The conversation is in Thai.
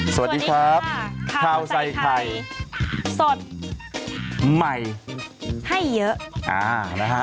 สวัสดีครับข้าวใส่ไข่สดใหม่ให้เยอะอ่านะฮะ